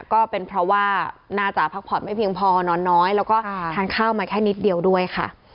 ก็เป็นเพราะว่าน่าจะพักผ่อนไม่เพียงพอนอนน้อยแล้วก็ทานข้าวมาแค่นิดเดียวด้วยค่ะ